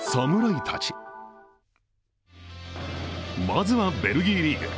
まずはベルギーリーグ。